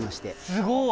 すごい。